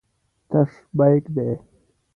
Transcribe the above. تش بیک دی.